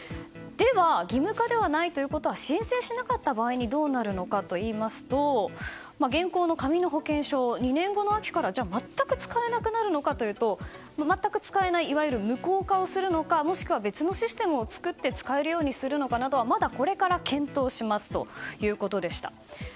義務化ではないということは申請しなかった場合にどうなるのかといいますと現行の紙の保険証は２年後の秋から全く使えなくなるのかというと全く使えないいわゆる無効化をするのかもしくは別のシステムを使って使えるようにするのかなどはまだこれから検討しますということでした。